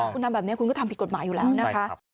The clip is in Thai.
คุณทำแบบนี้คุณก็ทำผิดกฎหมายอยู่แล้วนะคะ